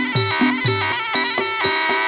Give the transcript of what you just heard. โชว์ที่สุดท้าย